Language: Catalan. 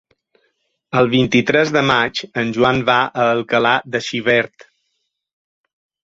El vint-i-tres de maig en Joan va a Alcalà de Xivert.